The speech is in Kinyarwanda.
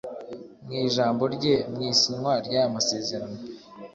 Mu ijambo rye mu isinywa ry’aya masezerano